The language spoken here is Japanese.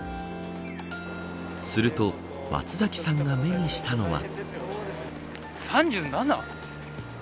すると松嵜さんが目にしたのは。